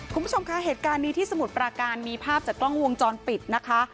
คุณผู้ชมคะเหตุการณ์นี้ที่สมุทรปราการมีภาพจากกล้องวงจรปิดนะคะ